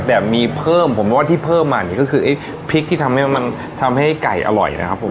แต่มีเพิ่มผมว่าที่เพิ่มมานี่ก็คือไอ้พริกที่ทำให้มันทำให้ไก่อร่อยนะครับผม